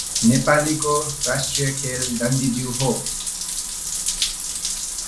नेपालीको राष्ट्रिय खेल डण्डिबियो हो ।